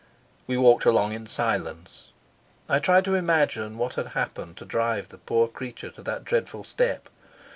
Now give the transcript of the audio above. We walked along in silence. I tried to imagine what had happened to drive the poor creature to that dreadful step.